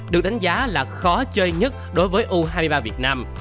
được đánh giá là khó chơi nhất đối với u hai mươi ba việt nam